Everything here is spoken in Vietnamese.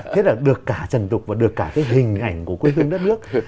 thế là được cả trần trục và được cả cái hình ảnh của quê hương đất nước